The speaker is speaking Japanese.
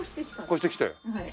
越してきて。